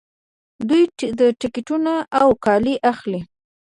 دوی ټکټونه او کالي اخلي.